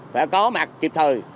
phải có mặt kịp thời